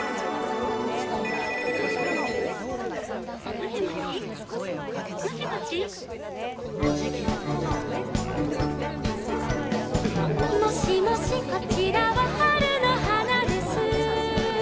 「もしもしもしもし」「もしもしこちらは春の花です」